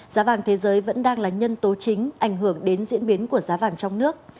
giá vàng thế giới vẫn đang là nhân tố chính ảnh hưởng đến diễn biến của giá vàng trong nước